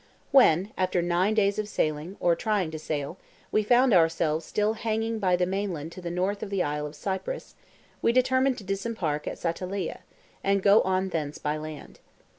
When after nine days of sailing, or trying to sail, we found ourselves still hanging by the mainland to the north of the isle of Cyprus, we determined to disembark at Satalieh, and to go on thence by land.